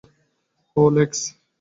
ওহ, লেক্স।